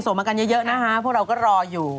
โสมมากันเยอะนะฮะเพราะเราก็รออยู่